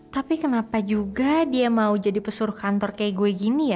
tapi kenapa juga dia mau jadi pesuruh kantor kayak gue gini ya